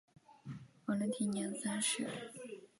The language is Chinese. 瓦伦提尼安三世。